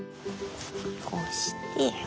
こうして。